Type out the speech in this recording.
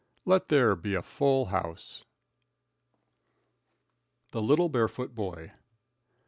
Let there be a full house. The Little Barefoot Boy.